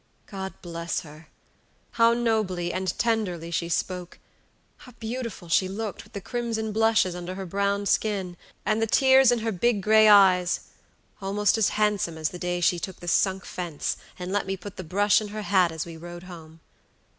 God bless her! How nobly and tenderly she spoke; how beautiful she looked with the crimson blushes under her brown skin, and the tears in her big, gray eyesalmost as handsome as the day she took the sunk fence, and let me put the brush in her hat as we rode home!